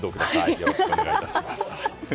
よろしくお願いします。